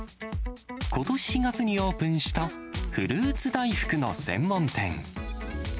ことし４月にオープンした、フルーツ大福の専門店。